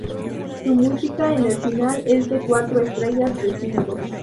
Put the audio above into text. Su música en el final es de cuatro estrellas de cinco.